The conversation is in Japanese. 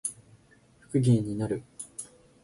不機嫌になる